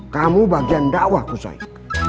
kamu bagian dakwahku soik